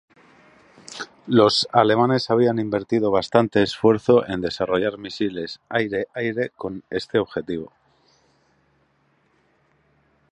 Los alemanes habían invertido bastante esfuerzo en desarrollar misiles aire-aire con este objetivo.